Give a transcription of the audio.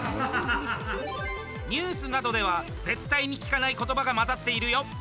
ニュースなどでは絶対に聞かない言葉が混ざっているよ。